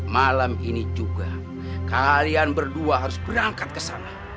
malam ini juga kalian berdua harus berangkat ke sana